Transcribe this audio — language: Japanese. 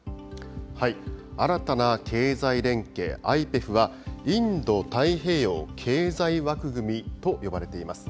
新たな経済連携、ＩＰＥＦはインド太平洋経済枠組みと呼ばれています。